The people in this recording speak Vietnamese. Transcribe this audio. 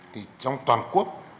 trong toàn quốc